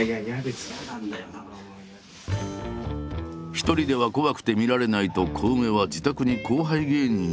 一人では怖くて見られないとコウメは自宅に後輩芸人を呼んだ。